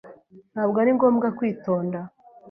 Ntabwo ari ngombwa kwitonda.